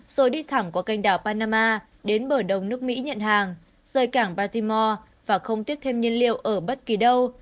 rồi đi thẳng qua canh đảo panama đến bờ đông nước mỹ nhận hàng rời cảng baltimore và không tiếp thêm nhân liệu ở bất kỳ đâu